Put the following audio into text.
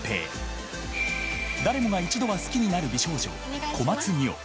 誰もが一度は好きになる美少女小松澪。